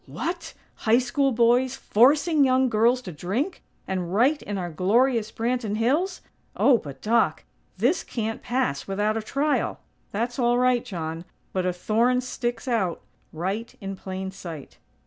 "What? High School boys forcing young girls to drink? And right in our glorious Branton Hills? Oh, but, Doc! This can't pass without a trial!" "That's all right, John; but a thorn sticks out, right in plain sight."